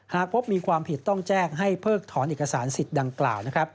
หากพบมีความผิดต้องแจ้งให้เพิกถอนเอกสารสิทธิ์ดังกล่าว